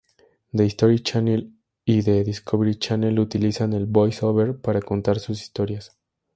The History Channel y The Discovery Channel utilizan el voice-over para contar sus historias.